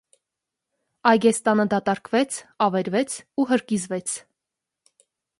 Այգեստանը դատարկվեց, ավերվեց ու հրկիզվեց։